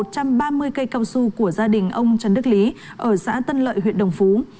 một trăm ba mươi cây cao su của gia đình ông trần đức lý ở xã tân lợi huyện đồng phú